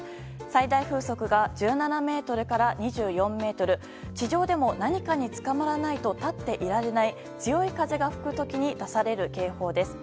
最大風速が１７メートルから２４メートル地上でも何かにつかまらないと立っていられない強い風が吹く時に出される警報です。